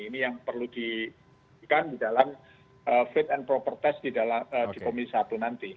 ini yang perlu diberikan di dalam fit and proper test di komisi satu nanti